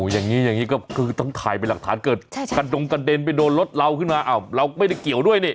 อย่างนี้อย่างนี้ก็คือต้องถ่ายไปหลักฐานเกิดกระดงกระเด็นไปโดนรถเราขึ้นมาเราไม่ได้เกี่ยวด้วยนี่